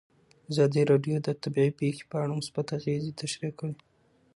ازادي راډیو د طبیعي پېښې په اړه مثبت اغېزې تشریح کړي.